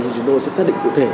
chúng tôi sẽ xác định cụ thể